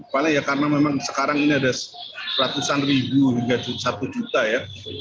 paling ya karena memang sekarang ini ada ratusan ribu hingga satu juta ya